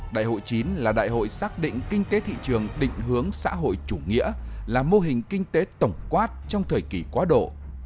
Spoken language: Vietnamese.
đại hội chín là đại hội xác định kinh tế thị trường định hướng xã hội chủ nghĩa là mô hình kinh tế tổng quát trong thời kỳ quá độ